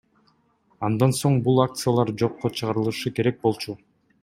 Андан соң бул акциялар жокко чыгарылышы керек болчу.